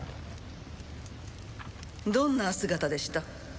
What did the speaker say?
どんな姿でした？